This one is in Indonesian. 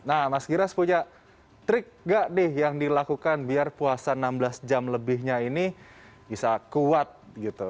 nah mas giras punya trik gak nih yang dilakukan biar puasa enam belas jam lebihnya ini bisa kuat gitu